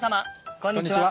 こんにちは。